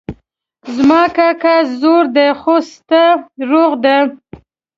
زما کاکا زوړ ده خو سټه روغ ده